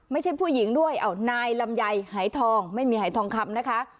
ไม่ใช่ผู้หญิงด้วยนายลำไยหายทองไม่มีหายทองคำนะคะ